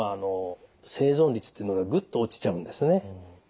生存率っていうのがグッと落ちちゃうんですね。